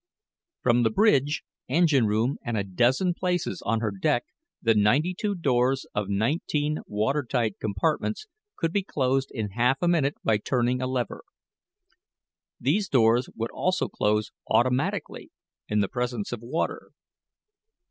From the bridge, engine room, and a dozen places on her deck the ninety two doors of nineteen water tight compartments could be closed in half a minute by turning a lever. These doors would also close automatically in the presence of water.